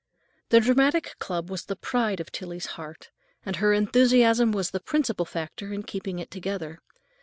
The dramatic club was the pride of Tillie's heart, and her enthusiasm was the principal factor in keeping it together.